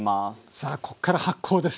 さあこっから発酵です。